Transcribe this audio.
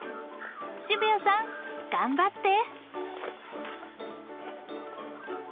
渋谷さん頑張って！